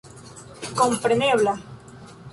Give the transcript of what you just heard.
komprenebla